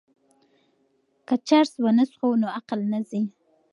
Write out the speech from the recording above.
که چرس ونه څښو نو عقل نه ځي.